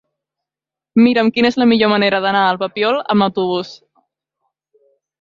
Mira'm quina és la millor manera d'anar al Papiol amb autobús.